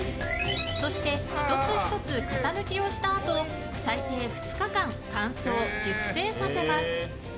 そして、１つ１つ型抜きをしたあと最低２日間、乾燥・熟成させます。